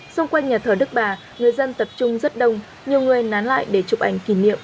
xung quanh nhà thờ đức bà người dân tập trung rất đông nhiều người nán lại để chụp ảnh kỷ niệm